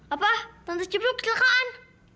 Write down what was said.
apa tante cipro kecelakaan